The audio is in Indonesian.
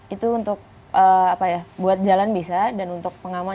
itu untuk apa ya buat jalan bisa dan untuk pengamanan